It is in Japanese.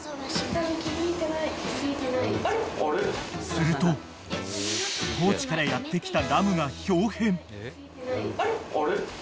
［すると高知からやって来た］